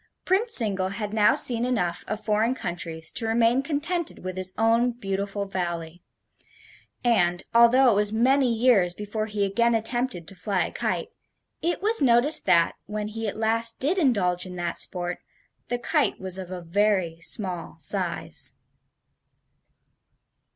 Prince Zingle had now seen enough of foreign countries to remain contented with his own beautiful Valley, and, although it was many years before he again attempted to fly a kite, it was noticed that, when he at last did indulge in that sport, the kite was of a very small size.